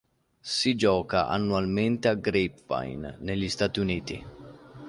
Si gioca annualmente a Grapevine negli Stati Uniti.